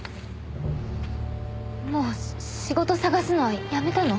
もう仕事探すのはやめたの？